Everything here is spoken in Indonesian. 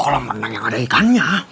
kolam renang yang ada ikannya